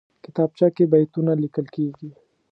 کتابچه کې بیتونه لیکل کېږي